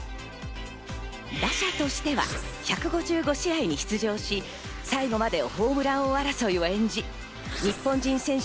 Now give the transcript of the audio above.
打者としては１５５試合に出場し、最後までホームラン王争いを演じ、日本人選手